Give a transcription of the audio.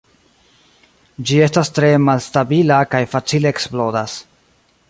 Ĝi estas tre malstabila kaj facile eksplodas.